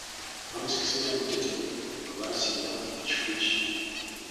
Bamusikiza muteteme gwe basimba ku kifugi.